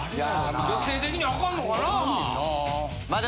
女性的にはあかんのかなあ。